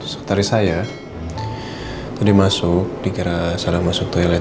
sektari saya tadi masuk dikira salah masuk toilet